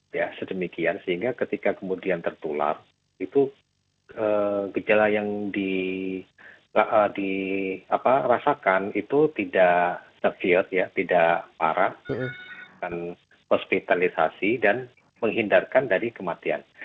ya sedemikian sehingga ketika kemudian tertular itu gejala yang dirasakan itu tidak serviot ya tidak parah dan hospitalisasi dan menghindarkan dari kematian